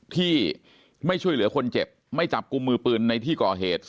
ที่ไม่ช่วยเหลือคนเจ็บไม่จับกลุ่มมือปืนในที่ก่อเหตุ